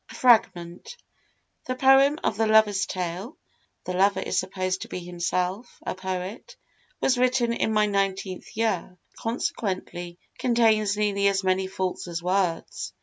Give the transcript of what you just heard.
] A FRAGMENT The Poem of the Lover's Tale (the lover is supposed to be himself a poet) was written in my nineteenth year, and consequently contains nearly as many faults as words.